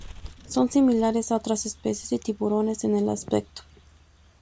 Son similares a otras especies de tiburones en el aspecto.